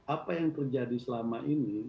apa yang terjadi selama ini